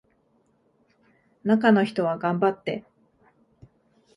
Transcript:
中の人は頑張って